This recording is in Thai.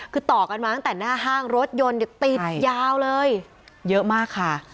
คือต่อกันมาตั้งแต่หน้าห้างรถยนต์เนี่ยติดยาวเลยเยอะมากค่ะ